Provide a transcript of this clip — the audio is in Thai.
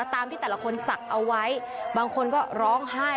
ตามที่แต่ละคนศักดิ์เอาไว้บางคนก็ร้องไห้